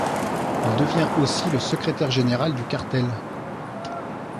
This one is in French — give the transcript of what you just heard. Il devient aussi le secrétaire général du cartel.